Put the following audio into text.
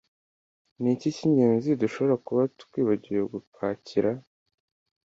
Niki Cyingenzi dushobora kuba twibagiwe gupakira